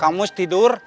kang mus tidur